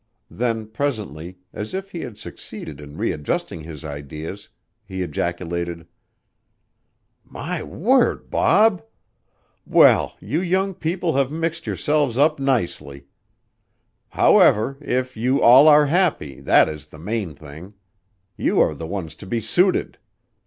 Then presently, as if he had succeeded in readjusting his ideas, he ejaculated: "My word, Bob! Well, you young people have mixed yourselves up nicely! However, if you all are happy, that is the main thing; you are the ones to be suited.